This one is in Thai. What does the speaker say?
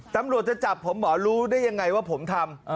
ตำรวจจะจับผมก็บอกด้วยยังไงว่าผมทำ